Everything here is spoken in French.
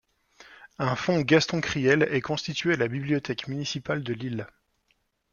Un fonds Gaston Criel est constitué à la bibliothèque municipale de Lille.